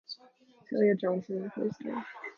Celia Johnson replaced her.